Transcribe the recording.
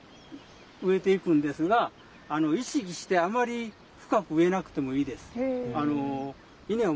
植えていくんですが意識してあまり深く植えなくてもいいです。